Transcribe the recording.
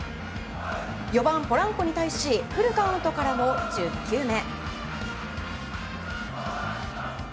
４番、ポランコに対しフルカウントからの１０球目。